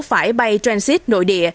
phải bay transit nội địa